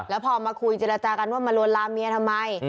แล้วพอมาคุยเจรจากันว่ามาลวนลามเมียทำไม